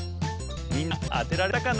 みんなあてられたかな？